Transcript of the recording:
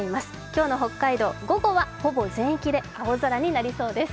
今日の北海道、午後はほぼ全域で青空になりそうです。